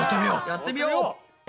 やってみよう！